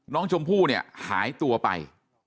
น้องชมพู่เนี่ยหายตัวไป